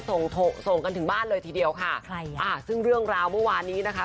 ส่งส่งกันถึงบ้านเลยทีเดียวค่ะใครอ่ะซึ่งเรื่องราวเมื่อวานนี้นะคะ